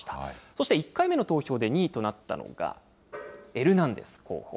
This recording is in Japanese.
そして１回目の投票で２位となったのが、エルナンデス候補。